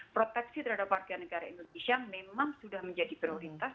proteksi terhadap warga negara indonesia memang sudah menjadi prioritas